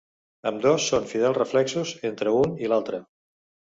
Ambdós són fidels reflexos entre un i l'altre.